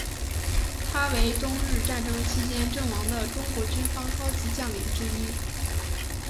他为中日战争期间阵亡的中国军方高级将领之一。